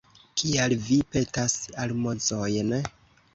Kial vi petas almozojn?